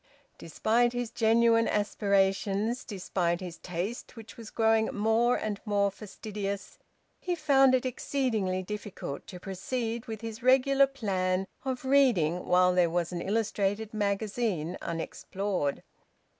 Despite his genuine aspirations, despite his taste which was growing more and more fastidious, he found it exceedingly difficult to proceed with his regular plan of reading while there was an illustrated magazine unexplored.